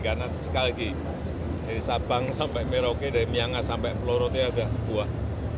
karena sekali lagi dari sabang sampai merauke dari myanga sampai pelurutnya ada sebuah